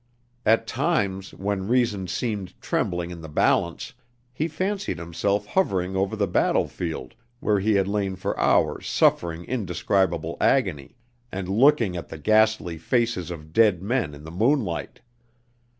At times, when reason seemed trembling in the balance, he fancied himself hovering over the battlefield where he had lain for hours suffering indescribable agony; and looking at the ghastly faces of dead men in the moonlight!